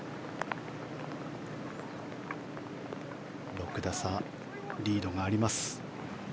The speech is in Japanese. ６打差リードがあります。